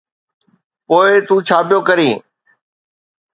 پوءِ تون ڇا پيو ڪرين؟